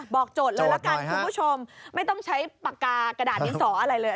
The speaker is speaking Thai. โจทย์เลยละกันคุณผู้ชมไม่ต้องใช้ปากกากระดาษดินสออะไรเลย